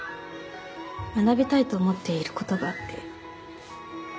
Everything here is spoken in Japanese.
学びたいと思っている事があって。